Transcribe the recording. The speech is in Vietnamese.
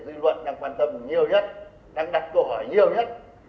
nó có thể dư luận đang quan tâm nhiều nhất đang đặt câu hỏi nhiều nhất